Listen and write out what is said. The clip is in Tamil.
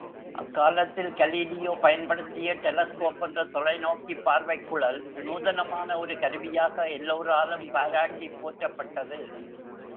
அக்காலத்தில் கலீலியோ பயன்படுத்திய டெலஸ்கோப் என்ற தொலைநோக்கிப் பார்வைக் குழல் நூதனமான ஒரு கருவியாக எல்லோராலும் பாராட்டிப் போற்றப்பட்டது.